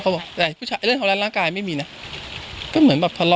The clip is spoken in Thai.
ก็บอกแต่ผู้ชายเรื่องของร้านร่างกายไม่มีนะก็เหมือนแบบ